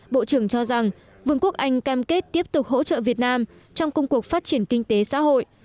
bộ trưởng cho rằng vương quốc anh cam kết tiếp tục hỗ trợ việt nam trong công cuộc phát triển kinh tế xã hội